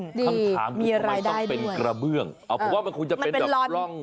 คำถามคืออะไรต้องเป็นกระเบื้องเอาผมว่ามันคงจะเป็นแบบร่อง